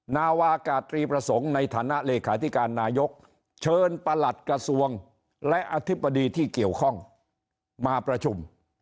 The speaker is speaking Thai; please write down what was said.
นาวากาตรีประสงค์ในฐานะเลขาธิการนายกเชิญประหลัดกระทรวงและอธิบดีที่เกี่ยวข้องมาประชุม